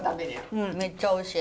うんめっちゃおいしい。